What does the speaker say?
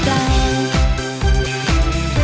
แต่เมื่อกี้ละ